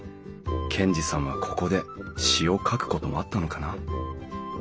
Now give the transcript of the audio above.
賢治さんはここで詩を書くこともあったのかな？